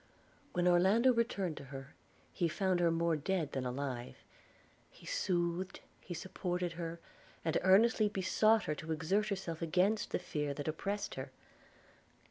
When Orlando returned to her, he found her more dead than alive. He soothed, he supported her, and earnestly besought her to exert herself against the fear that oppressed her.